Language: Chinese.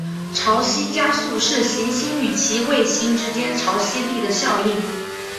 潮汐加速是行星与其卫星之间潮汐力的效应。